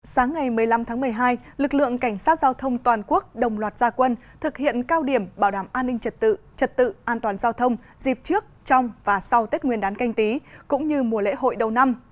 sáng ngày một mươi năm tháng một mươi hai lực lượng cảnh sát giao thông toàn quốc đồng loạt gia quân thực hiện cao điểm bảo đảm an ninh trật tự trật tự an toàn giao thông dịp trước trong và sau tết nguyên đán canh tí cũng như mùa lễ hội đầu năm